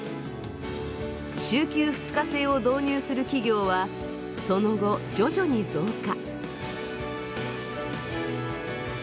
週休２日制を導入する企業はその後徐々に増加。